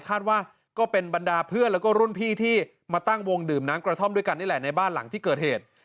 คาดว่าก็เป็นบรรดาเพื่อนแล้วก็รุ่นพี่ที่มาตั้งวงดื่มน้ำกระท่อมด้วยกันนี่แหละในบ้านหลังที่เกิดเหตุ